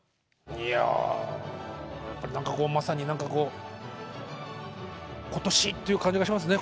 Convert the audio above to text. いや何かこうまさに何かこう今年っていう感じがしますね。